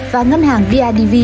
và ngân hàng bidv